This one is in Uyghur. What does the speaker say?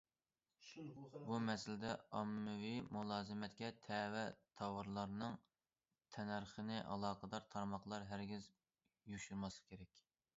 بۇ مەسىلىدە ئاممىۋى مۇلازىمەتكە تەۋە تاۋارلارنىڭ تەننەرخىنى ئالاقىدار تارماقلار ھەرگىز يوشۇرماسلىقى كېرەك.